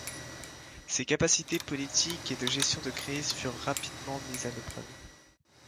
Ses capacités politiques et de gestion de crise furent rapidement mises à l'épreuve.